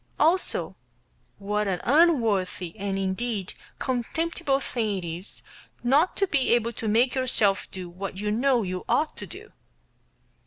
also what an unworthy and, indeed, contemptible thing it is not to be able to make yourself do what you know you ought to do.